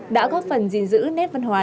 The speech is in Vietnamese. đã góp phần gìn giữ nét văn hóa